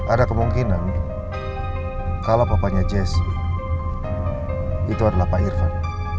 ada kemungkinan kalau bapaknya jessy itu adalah pak irvan